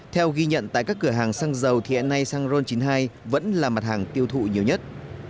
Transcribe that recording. theo ghi nhận tại các cửa hàng săng dầu thì hẹn nay săng ron chín mươi hai vẫn là mặt hàng tiêu thụ nhiều nhất